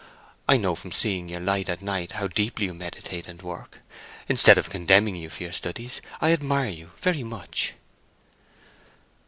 I know from seeing your light at night how deeply you meditate and work. Instead of condemning you for your studies, I admire you very much!"